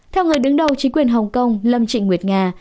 theo người đứng đầu chính quyền hồng kông lâm trịnh nguyệt nga